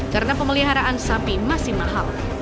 karena pemeliharaan sapi masih mahal